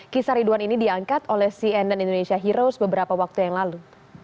kisah ridwan ini diangkat oleh cnn indonesia heroes beberapa waktu yang lalu